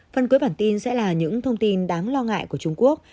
phần cuối bản tin sẽ là những thông tin đáng lo ngại của trung quốc